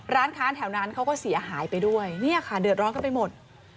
ร้านค้าแถวนั้นเขาก็เสียหายไปด้วยเนี่ยค่ะเดือดร้อนกันไปหมด